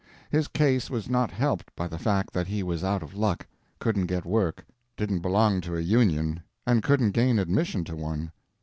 His case was not helped by the fact that he was out of luck, couldn't get work, didn't belong to a union, and couldn't gain admission to one.